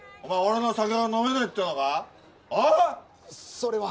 それは。